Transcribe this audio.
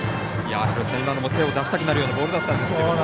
今のも手を出したくなるようなボールだったんですけど。